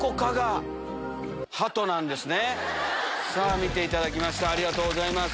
見ていただきましたありがとうございます。